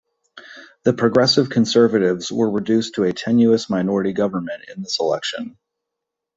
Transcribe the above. The Progressive Conservatives were reduced to a tenuous minority government in this election.